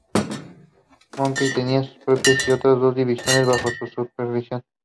Moncey tenía sus propias y otras dos divisiones bajo su supervisión.